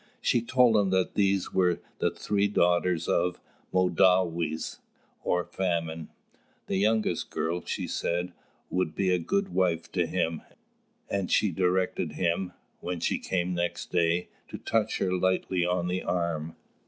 She told him that these were the three daughters of "Mōdāwes," or Famine. The youngest girl, she said, would be a good wife to him; and she directed him, when she came next day, to touch her lightly on the arm.